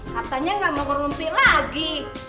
katanya gak mau ngerumpi lagi